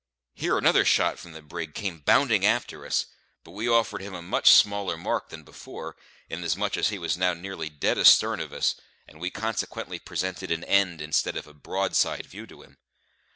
Here another shot from the brig came bounding after us; but we offered him a much smaller mark than before, inasmuch as he was now nearly dead astern of us, and we consequently presented an end instead of a broadside view to him.